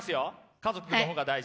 家族の方が大事？